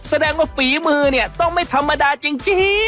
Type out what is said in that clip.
แสดงว่าฝีมือเนี่ยต้องไม่ธรรมดาจริง